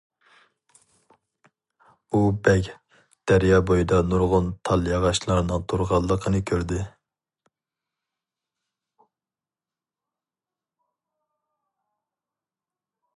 ئۇ بەگ دەريا بويىدا نۇرغۇن تال-ياغاچلارنىڭ تۇرغانلىقىنى كۆردى.